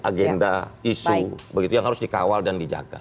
agenda isu begitu yang harus dikawal dan dijaga